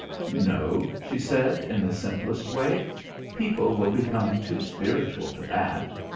"No," she said in the simplest way, "people will become too spiritual for that.